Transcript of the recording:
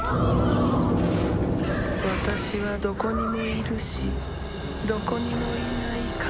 私はどこにもいるしどこにもいないかげろう。